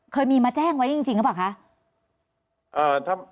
เคยมีมาแจ้งไว้จริงหรือเปล่าคะ